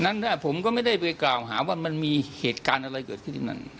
นั้นผมก็ไม่ได้ไปกล่าวหาว่ามันมีเหตุการณ์อะไรเกิดขึ้นที่นั่น